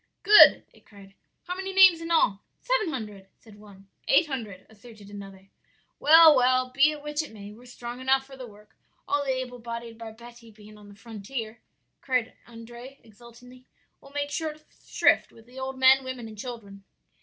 "'Good!' they cried, 'how many names in all?' "'Seven hundred,' said one. "'Eight hundred,' asserted another. "'Well, well, be it which it may, we're strong enough for the work, all the able bodied barbetti being on the frontier,' cried Andrea, exultingly, 'we'll make short shrift with the old men, women and children.'